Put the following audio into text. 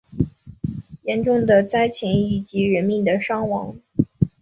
严重的灾情以及人命的伤亡